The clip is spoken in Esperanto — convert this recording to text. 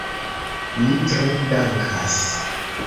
Mi tre dankas.